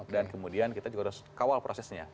dan kemudian kita juga harus kawal prosesnya